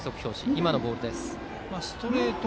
このボールです。